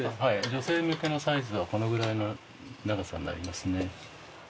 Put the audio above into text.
女性向けのサイズはこのぐらいの長さになりますね。